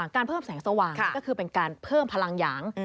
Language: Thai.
การเพิ่มแสงสว่างก็คือเป็นผลังหยาง